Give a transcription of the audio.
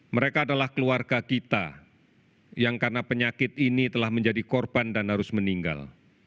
mereka adalah keluarga kita yang karena penyakit ini telah menjadi korban dan harus meninggal